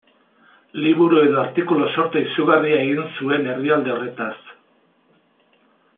Liburu edo artikulu sorta izugarria egin zuen herrialde horretaz.